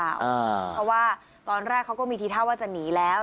เกินกว่าเหตุไปรึเปล่าเพราะว่าตอนแรกเขาก็มีที่เท่าว่าจะหนีแล้ว